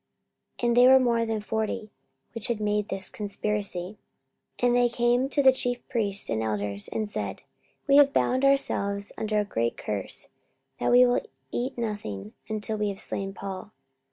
44:023:013 And they were more than forty which had made this conspiracy. 44:023:014 And they came to the chief priests and elders, and said, We have bound ourselves under a great curse, that we will eat nothing until we have slain Paul.